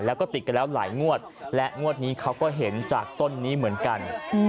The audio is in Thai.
แล้วก็ติดกันแล้วหลายงวดและงวดนี้เขาก็เห็นจากต้นนี้เหมือนกัน